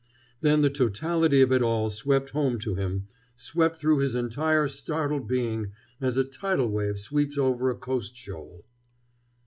Then the totality of it all swept home to him, swept through his entire startled being as a tidal wave sweeps over a coast shoal.